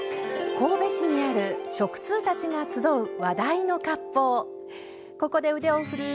神戸市にある食通たちが集う話題のかっぽう。